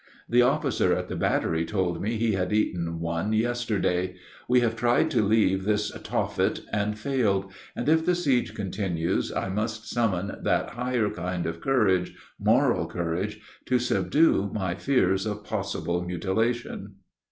The officer at the battery told me he had eaten one yesterday. We have tried to leave this Tophet and failed, and if the siege continues I must summon that higher kind of courage moral bravery to subdue my fears of possible mutilation.